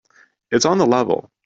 It's on the level.